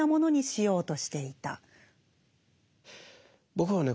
僕はね